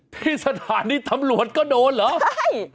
ที่สถานีตำรวจก็โดนเหรอใช่